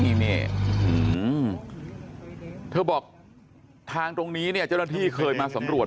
นี่เธอบอกทางตรงนี้เนี่ยเจ้าหน้าที่เคยมาสำรวจ